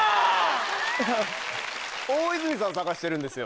大泉さん捜してるんですよ。